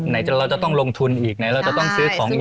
เราจะต้องลงทุนอีกไหนเราจะต้องซื้อของอีก